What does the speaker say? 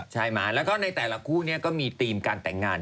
ใช่ไหมแล้วก็ในแต่ละคู่นี้ก็มีธีมการแต่งงาน